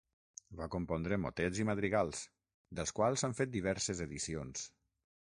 Va compondre motets i madrigals, dels quals s'han fet diverses edicions.